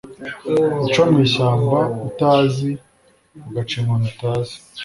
uca mw'ishyamba utazi ugaca inkoni utazi